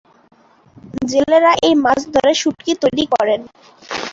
জেলেরা এই মাছ ধরে শুঁটকি তৈরি করেন।